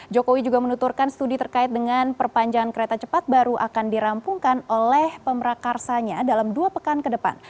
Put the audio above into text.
jokowi juga menuturkan studi terkait dengan perpanjangan kereta cepat baru akan dirampungkan oleh pemrakarsanya dalam dua pekan ke depan